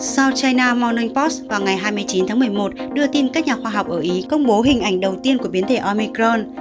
south china morning post vào ngày hai mươi chín tháng một mươi một đưa tin các nhà khoa học ở ý công bố hình ảnh đầu tiên của biến thể omicron